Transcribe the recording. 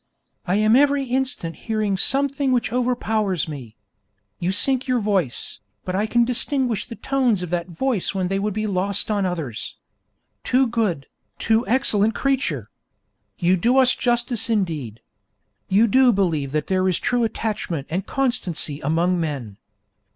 I am every instant hearing something which overpowers me. You sink your voice, but I can distinguish the tones of that voice when they would be lost on others. Too good, too excellent creature! You do us justice indeed. You do believe that there is true attachment and constancy among men.